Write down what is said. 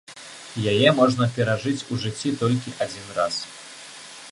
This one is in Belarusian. Яе можна перажыць у жыцці толькі адзін раз.